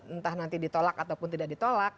entah nanti ditolak ataupun tidak ditolak